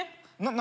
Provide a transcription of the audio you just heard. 何？